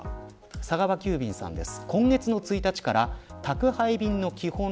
佐川急便さんです。